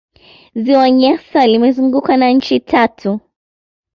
ziwa nyasa limezungukwa na nchi tatu